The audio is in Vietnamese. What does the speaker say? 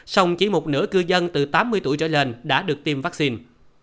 song chỉ một nửa cư dân từ tám mươi tuổi trở lên đã được tiêm vaccine